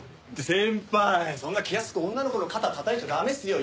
先輩そんな気安く女の子の肩叩いちゃ駄目っすよ。